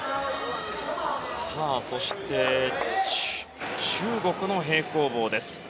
そして、中国の平行棒です。